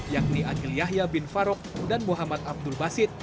yakni angel yahya bin farouk dan muhammad abdul basit